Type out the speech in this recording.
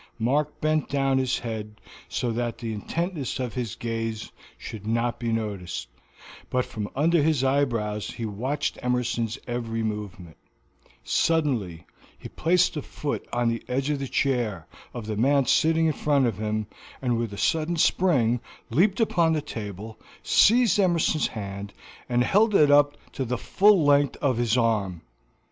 Mark bent down his head, so that the intentness of his gaze should not be noticed, but from under his eyebrows he watched Emerson's every movement; suddenly he placed a foot on the edge of the chair of the man sitting in front of him, and with a sudden spring leaped upon the table, seized Emerson's hand, and held it up to the full length of his arm.